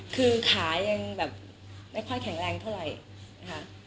คือขายังแบบไม่ค่อยแข็งแรงเท่าไหร่นะคะ